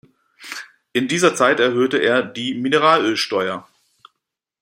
In dieser Zeit erhöhte er die Mineralölsteuer.